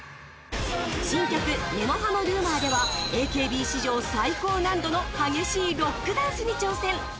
新曲、根も葉もＲｕｍｏｒではＡＫＢ史上最高難度の激しいロックダンスに挑戦。